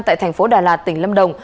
tại thành phố đà lạt tỉnh lâm đồng